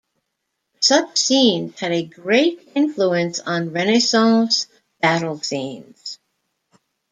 Such scenes had a great influence on Renaissance battle scenes.